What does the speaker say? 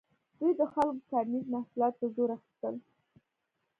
دوی د خلکو کرنیز محصولات په زور اخیستل.